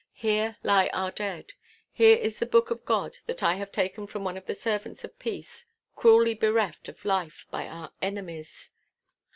Here lie our dead. Here is the Book of God that I have taken from one of the servants of peace, cruelly bereft of life by our enemies!